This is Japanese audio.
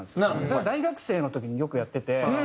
それは大学生の時によくやってて。